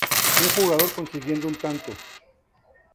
Un jugador consiguiendo un tanto.